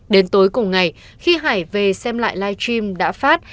đến tối cùng ngày khi hải về xem lại live stream đã phát